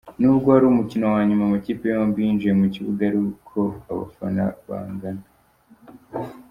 Nubwo wari umukino wanyuma, amakipe yombi yinjiye mu kibuga ari uku abafana bangana.